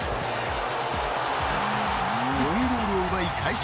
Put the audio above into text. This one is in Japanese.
４ゴールを奪い快勝。